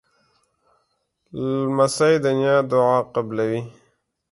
لمسی د نیا دعا قبلوي.